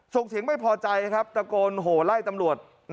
ส่งเสียงไม่พอใจครับตะโกนโหไล่ตำรวจ